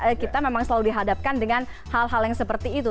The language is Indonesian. karena kita memang selalu dihadapkan dengan hal hal yang seperti itu